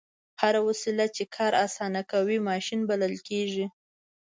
هره وسیله چې کار اسانه کوي ماشین بلل کیږي.